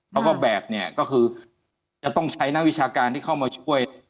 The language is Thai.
แล้วก็แบบเนี่ยก็คือจะต้องใช้นักวิชาการที่เข้ามาช่วย